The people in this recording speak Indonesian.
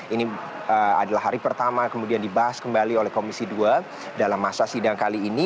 ini adalah hari pertama kemudian dibahas kembali oleh komisi dua dalam masa sidang kali ini